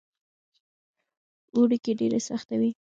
اوړي کې ډېره سخته وي.